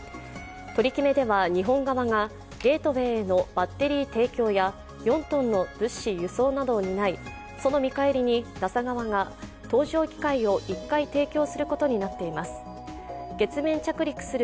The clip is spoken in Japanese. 取り決めでは日本側がゲートウェイへのバッテリー提供や４ｔの物資輸送などを担い、その見返りにＮＡＳＡ側が搭乗機会を１回提供することになっています。